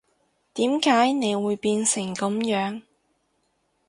點解你會變成噉樣